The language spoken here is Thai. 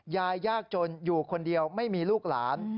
ยากจนอยู่คนเดียวไม่มีลูกหลาน